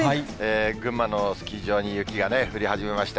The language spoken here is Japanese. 群馬のスキー場に雪が降り始めました。